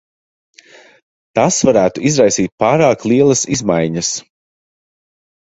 Tas varētu izraisīt pārāk lielas izmaiņas.